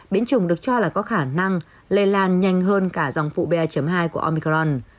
biến chủng được cho là có khả năng lây lan nhanh hơn cả dòng phụ ba hai của omicron